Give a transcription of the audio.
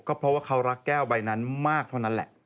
เพราะว่าเขารักแก้วใบนั้นมากเท่านั้นแหละ